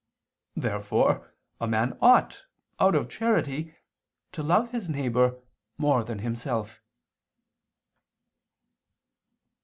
Therefore a man ought, out of charity, to love his neighbor more than himself.